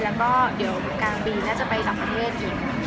แล้วก็เดี๋ยวกลางปีน่าจะไปต่างประเทศอีก